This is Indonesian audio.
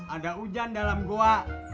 ada hujan dalam gua